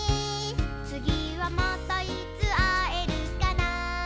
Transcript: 「つぎはまたいつあえるかな」